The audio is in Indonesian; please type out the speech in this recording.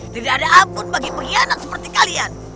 tidak ada ampun bagi pengkhianat seperti kalian